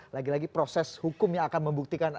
lagi lagi proses hukum yang akan membuktikan